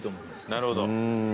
なるほど。